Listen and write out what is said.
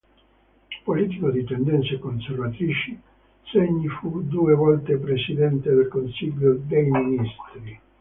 Politico di tendenze conservatrici, Segni fu due volte Presidente del Consiglio dei ministri.